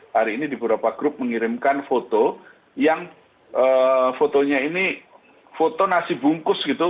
hari ini di beberapa grup mengirimkan foto yang fotonya ini foto nasi bungkus gitu